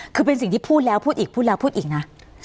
คือเป็นสิ่งที่พูดแล้วพูดอีกพูดแล้วพูดอีกนะ